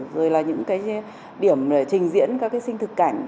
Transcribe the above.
rồi là những điểm trình diễn các sinh thực cảnh